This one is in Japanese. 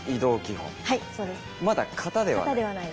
まだ形ではない。